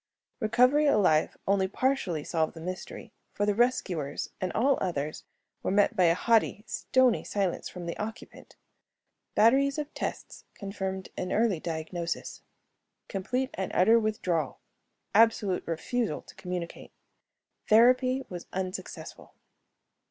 Recovery alive only partially solved the mystery, for the rescuers and all others were met by a haughty, stony silence from the occupant. Batteries of tests confirmed an early diagnosis: complete and utter withdrawal; absolute refusal to communicate. Therapy was unsuccessful.